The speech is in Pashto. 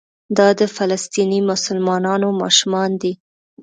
دا د فلسطیني مسلمانانو ماشومان دي.